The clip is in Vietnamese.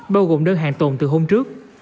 bao gồm đơn hàng tồn từ hôm trước